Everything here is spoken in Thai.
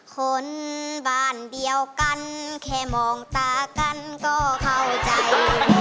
คนบ้านเดียวกันแค่มองตากันก็เข้าใจ